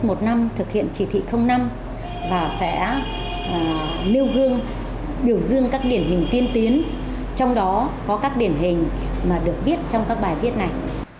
hà nam thực hiện chỉ thị năm và sẽ nêu gương biểu dương các điển hình tiên tiến trong đó có các điển hình mà được viết trong các bài viết này